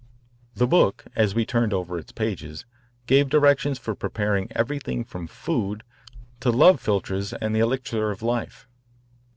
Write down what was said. The book, as we turned, over its pages, gave directions for preparing everything from food to love philtres and the elixir of life.